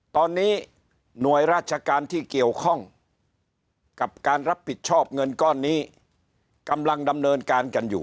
ตอนนี้หน่วยราชการที่เกี่ยวข้องกับการรับผิดชอบเงินก้อนนี้กำลังดำเนินการกันอยู่